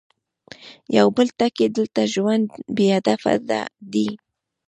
يو بل ټکی، دلته ژوند بې هدفه دی.